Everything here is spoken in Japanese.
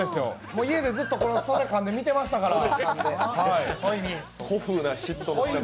もう家でずっと袖かんで見てましたから。